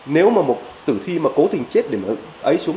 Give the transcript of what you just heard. nếu mà một tử thi mà cố tình chết để mà ấy xuống